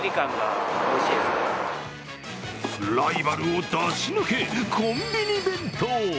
ライバルを出し抜け、コンビニ弁当。